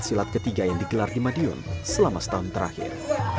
silat ketiga yang digelar di madiun selama setahun terakhir